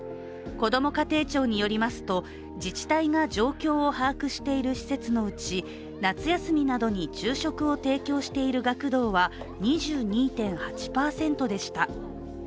こども家庭庁によりますと自治体が状況を把握している施設のうち夏休みなどに昼食を提供している学童は２２．８％で下。